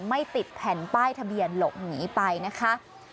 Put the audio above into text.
ไม่ติดแผ่นป้ายทะเบียนหลบหนีไปนะคะ